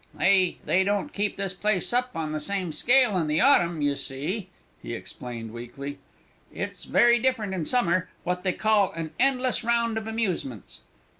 "They they don't keep this place up on the same scale in the autumn, you see," he explained weakly. "It's very different in summer; what they call 'an endless round of amusements.'"